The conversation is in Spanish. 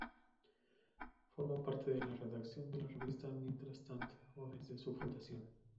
Forma parte de la redacción de la revista "mientras tant"o desde su fundación.